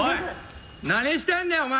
「何してんねんお前！」